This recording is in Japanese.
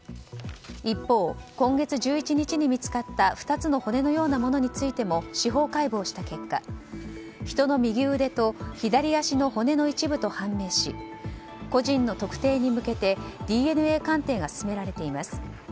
一方、今月１１日に見つかった２つの骨のようなものについても司法解剖した結果、人の右腕と左足の骨の一部と判明し個人の特定に向けてＤＮＡ鑑定が進められています。